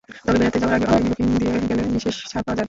তবে বেড়াতে যাওয়ার আগে অনলাইনে বুকিং দিয়ে গেলে বিশেষ ছাড় পাওয়া যায়।